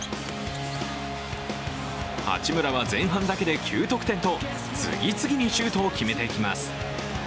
八村は前半だけで９得点と、次々にシュートを決めていきます。